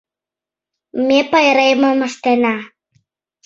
Ме пайремым ыштена.